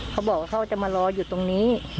เขาบอกว่าเขาจะมารออยู่ตรงนี้